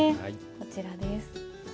こちらです。